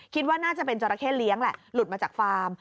คิดว่าน่าจะเป็นจราเข้เลี้ยงแหละหลุดมาจากฟาร์ม